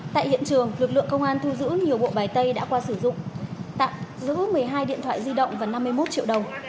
tại hiện trường lực lượng công an thu giữ nhiều bộ bài tay đã qua sử dụng tạm giữ một mươi hai điện thoại di động và năm mươi một triệu đồng